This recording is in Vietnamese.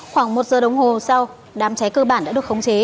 khoảng một giờ đồng hồ sau đám cháy cơ bản đã được khống chế